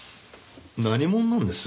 何者なんです？